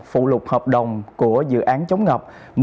phụ lục hợp đồng của dự án chống ngập